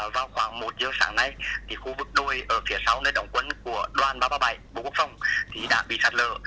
vào khoảng một giờ sáng nay khu vực đôi ở phía sau nơi đồng quân của đoàn ba trăm ba mươi bảy bộ quốc phòng đã bị sạt lở